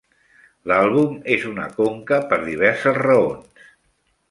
L'àlbum és un conca per diverses raons.